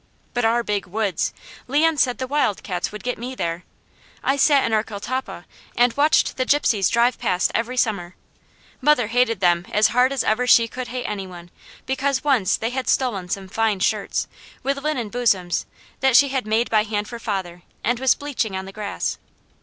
But our Big Woods! Leon said the wildcats would get me there. I sat in our catalpa and watched the Gypsies drive past every summer. Mother hated them as hard as ever she could hate any one, because once they had stolen some fine shirts, with linen bosoms, that she had made by hand for father, and was bleaching on the grass.